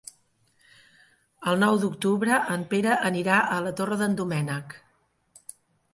El nou d'octubre en Pere anirà a la Torre d'en Doménec.